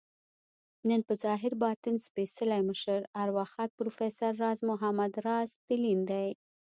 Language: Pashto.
نن په ظاهر ، باطن سپیڅلي مشر، ارواښاد پروفیسر راز محمد راز تلين دی